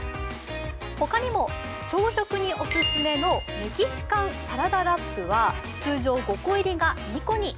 他にも、朝食にお勧めのメキシカンサラダラップは通常５個入りが２個に。